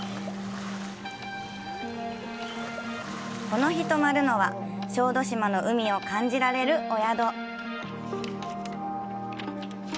この日、泊まるのは小豆島の海を感じられるお宿。